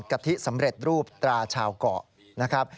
กะทิสำเร็จรูปตราชาวเกาะนะครับ